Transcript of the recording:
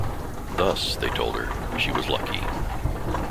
Thus, they told her, she was lucky.